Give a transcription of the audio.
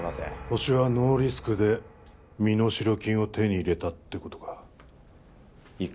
ホシはノーリスクで身代金を手に入れたってことか一